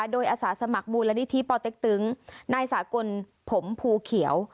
โดยอาสาสมัครมูลนิธิปอเต็กตึงนายสากลผมภูเขียว